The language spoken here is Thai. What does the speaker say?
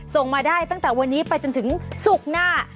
ส่งมาได้ตั้งแต่วันนี้ไปจนถึงศุกร์หน้า